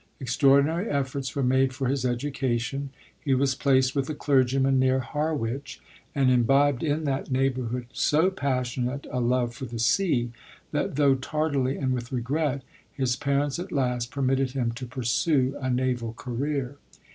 Extraordinary efforts were made for his edu cation. He was placed with a clergyman near Harwich, and imbibed in that neighbourhood so passionate a love for the sea, that, though tardily and with regret, his parents at last per mitted him to pursue a naval career.